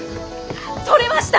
取れました！